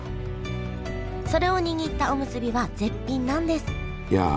それを握ったおむすびは絶品なんですいや！